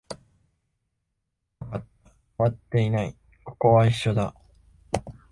よかった、変わっていない、ここは一緒だ